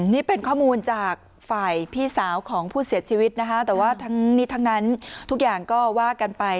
นี่เป็นข้อมูลจากฝ่ายพี่สาวของผู้เสียชีวิตนะคะแต่ว่าทั้งนี้ทั้งนั้นทุกอย่างก็ว่ากันไป